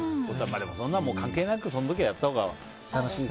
でもそんなの関係なくその時はやったほうが。